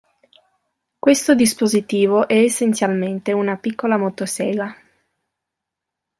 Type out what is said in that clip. Questo dispositivo è essenzialmente una piccola motosega.